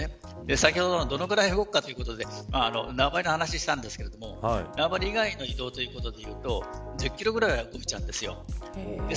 先ほどどのぐらい動くかということで縄張りの話をしたんですけど縄張り以外の移動ということでいうと１０キロぐらい動いちゃうんです。